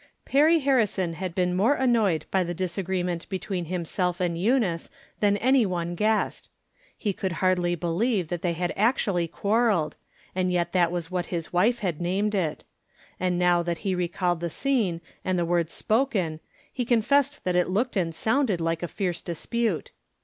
Perry Harrison had been more annoyed by the disagreement between himself and Eunice than any one guessed. He could hardly believe that they had actually quarreled, and yet that was what his wife had named it ; and now that he re called the scene and the words spoken he con fessed that it looked and sounded like a fierce dispute.